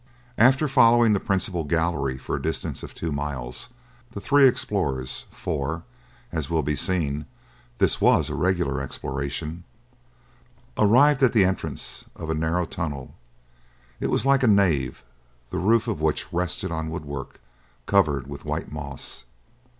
After following the principal gallery for a distance of two miles, the three explorers—for, as will be seen, this was a regular exploration—arrived at the entrance of a narrow tunnel. It was like a nave, the roof of which rested on woodwork, covered with white moss.